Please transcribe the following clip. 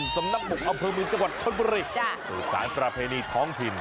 สำนักบกอเภอมือจังหวัดชนบุรีคุณศาสตราเพณีท้องทิม